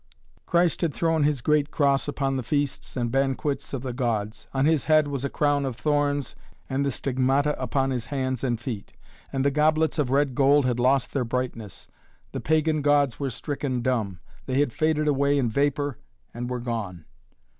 Christ had thrown his great Cross upon the feasts and banquets of the gods. On his head was a crown of thorns and the Stigmata upon his hands and feet. And the goblets of red gold had lost their brightness. The pagan gods were stricken dumb. They had faded away in vapor and were gone.